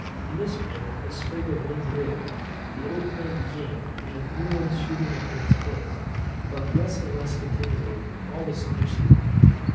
In this manner a sprig of mint lived, the old plant decaying, and new ones shooting up in its place, but less and less continually, all the summer season.